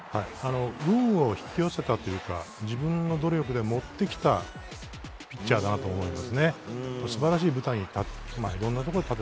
運を引き寄せたというか自分の努力で持ってきたピッチャーだなと思いますね。